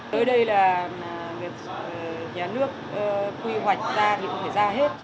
tới đây là nhà nước quy hoạch ra thì cũng phải ra hết